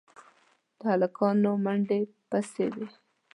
د هلکانو منډې پسې وې.